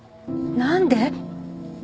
何で？